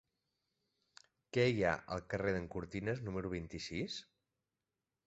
Què hi ha al carrer d'en Cortines número vint-i-sis?